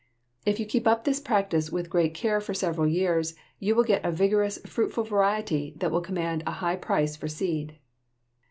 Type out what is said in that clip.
If you keep up this practice with great care for several years, you will get a vigorous, fruitful variety that will command a high price for seed.